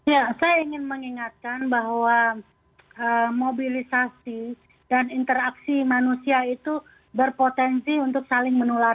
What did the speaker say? ya saya ingin mengingatkan bahwa mobilisasi dan interaksi manusia itu berpotensi untuk saling menular